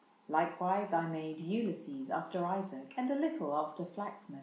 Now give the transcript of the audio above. Likewise I made Ulysses, after Isaac, And a little after Flaxman.